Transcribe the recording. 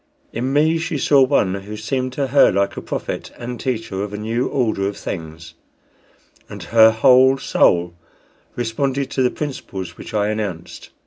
In me she saw one who seemed to her like a prophet and teacher of a new order of things, and her whole soul responded to the principles which I announced.